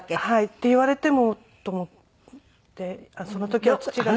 って言われてもと思ってその時は父が。